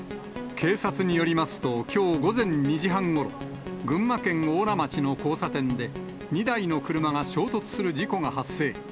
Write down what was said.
警察によりますと、きょう午前２時半ごろ、群馬県邑楽町の交差点で、２台の車が衝突する事故が発生。